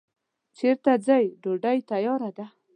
چیرته ځی ډوډی تیاره ده